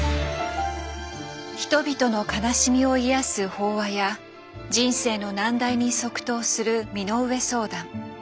人々の悲しみを癒やす法話や人生の難題に即答する身の上相談。